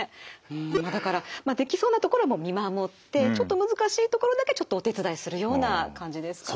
だからできそうなところは見守ってちょっと難しいところだけちょっとお手伝いするような感じですかね。